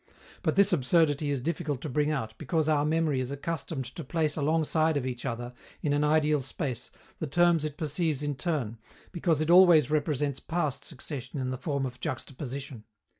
But this absurdity is difficult to bring out, because our memory is accustomed to place alongside of each other, in an ideal space, the terms it perceives in turn, because it always represents past succession in the form of juxtaposition.